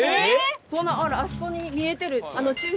あそこに見えてる。